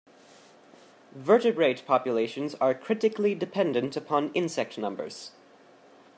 Vertebrate populations are critically dependent upon insect numbers.